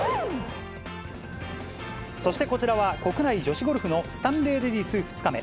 そしてこちらは、国内女子ゴルフのスタンレーレディス２日目。